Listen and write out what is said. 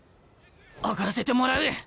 上がらせてもらう！